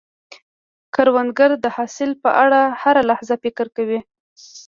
کروندګر د حاصل په اړه هره لحظه فکر کوي